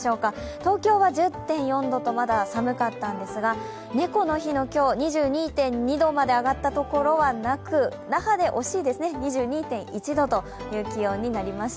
東京は１０．４度とまだ寒かったんですが、猫の日の今日、２２．２度まで上がったところはなく那覇で惜しいですね、２２．１度という気温になりました。